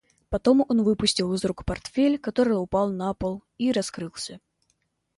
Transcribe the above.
Потом он выпустил из рук портфель, который упал на пол и раскрылся.